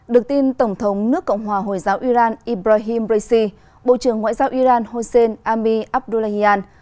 được tin tổng thống nước cộng hòa hồi giáo iran ibrahim raisi bộ trưởng ngoại giao iran hossein ami abdullahian